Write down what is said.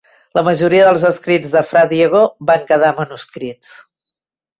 La majoria dels escrits de fra Diego van quedar manuscrits.